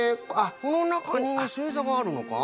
このなかにせいざがあるのか？